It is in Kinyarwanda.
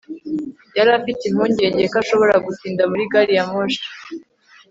yari afite impungenge ko ashobora gutinda muri gari ya moshi